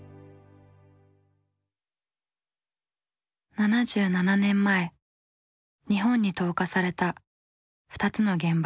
７７年前日本に投下された２つの原爆。